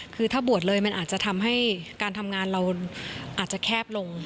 คือถ้าบวชเลยมันอาจจะทำให้การทำงานเราอาจจะแคบลง